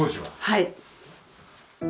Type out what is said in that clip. はい。